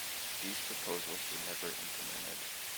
These proposals were never implemented.